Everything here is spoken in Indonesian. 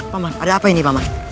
pak mat ada apa ini pak mat